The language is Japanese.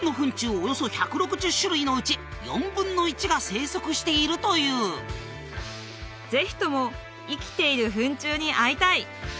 およそ１６０種類のうち４分の１が生息しているというぜひとも生きている糞虫に会いたい！